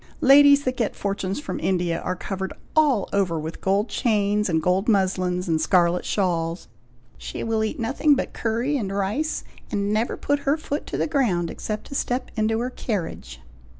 Ladies that get fortunes from India are covered all over with gold chains, and gold muslins, and scarlet shawls. She will eat nothing but curry and rice, and never put her foot to the ground except to step into her carriage."